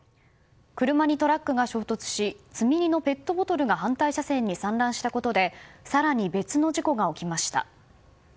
車にトラックが衝突し積み荷のペットボトルが反対車線に散乱したことで更に別の事故が起きました。